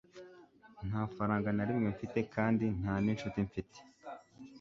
nta faranga na rimwe mfite kandi nta n'inshuti mfite